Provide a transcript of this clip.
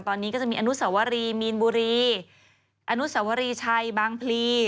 ตอนนี้ก็จะมีอนุสวรีมีนบุรีอนุสวรีชัยบางพลี